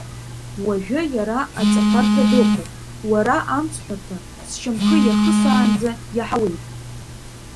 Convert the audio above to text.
Уажәы иара аҵаҳәарҭа дыҟоуп, уара амцҳәарҭа, сшьамхы иахысаанӡа иаҳауеит.